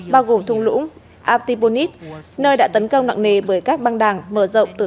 bao gồm thung lũng abtibonit nơi đã tấn công nặng nề bởi các băng đảng mở rộng từ thủ đô portofan